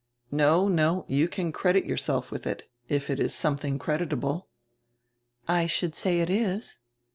"No, no, you can credit yourself widi it, if it is some tiling creditable." "I should say it is."